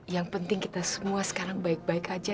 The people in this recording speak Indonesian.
yang penting kita semua sekarang baik baik aja